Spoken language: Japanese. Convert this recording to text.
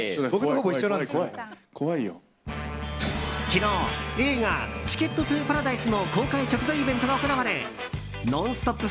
昨日、映画「チケット・トゥ・パラダイス」の公開直前イベントが行われ「ノンストップ！」